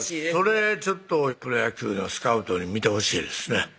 ちょっとプロ野球のスカウトに見てほしいですね